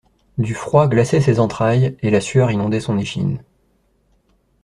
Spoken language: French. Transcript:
Du froid glaçait ses entrailles et la sueur inondait son échine.